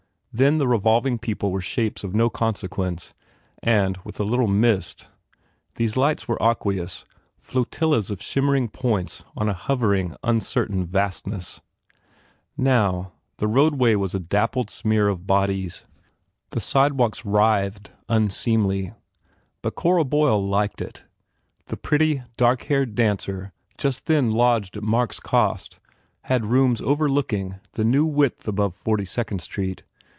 Then the revolving people were shapes of no consequence and, with a little mist, these lights were aqueous, flotillas of shimmering points on a hovering, uncertain vastness. Now, the road way was a dappled smear of bodies wheeled and bodies shod. The sidewalks writhed, unseemly. But Cora Boyle liked it. The pretty, black haired dancer just then lodged at Mark s cost had rooms overlooking ,the new width above Forty Second Street.